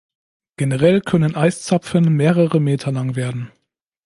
Generell können Eiszapfen mehrere Meter lang werden.